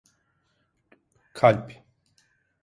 Kalp…